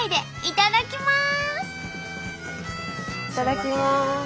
いただきます。